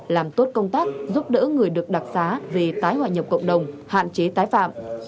làm tốt công tắc giúp đỡ người được đặc sá về tái hoại nhập cộng đồng hạn chế tái phạm